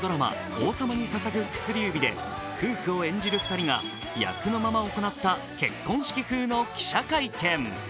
「王様に捧ぐ薬指」で夫婦を演じる２人が役のまま行った結婚式風の記者会見。